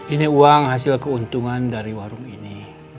ini uang hasil keuntungan dari warung ini